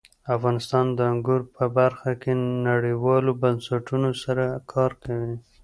افغانستان د انګور په برخه کې نړیوالو بنسټونو سره کار کوي.